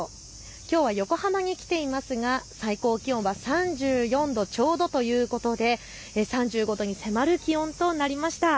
きょうは横浜に来ていますが最高気温は３４度ちょうどということで３５度に迫る気温となりました。